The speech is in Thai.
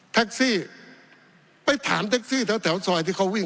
แท็กซี่ไปถามแท็กซี่แถวซอยที่เขาวิ่ง